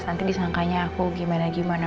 nanti disangkanya aku gimana gimana